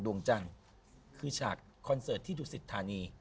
ดวงจังคือชาติคอนเสิร์ตที่ดุสิทธานี